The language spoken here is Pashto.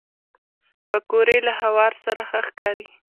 پکورې له هوار سره ښه ښکاري